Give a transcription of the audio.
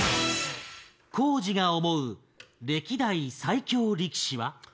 光司が思う歴代最強力士は？